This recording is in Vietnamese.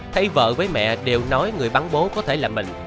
thấy vợ với mẹ đều nói người bán bố có thể là mình